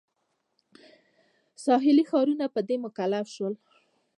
ساحلي ښارونه په دې مکلف شول.